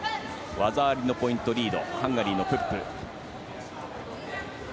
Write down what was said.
技ありでポイントリードハンガリーのプップ。